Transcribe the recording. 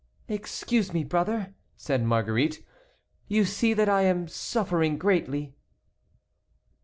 "Excuse me, brother," said Marguerite, "you see that I am suffering greatly."